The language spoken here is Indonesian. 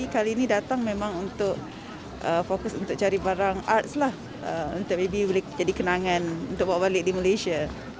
kami datang untuk mencari barang barang seni untuk menjadi kenangan dan bawa balik ke malaysia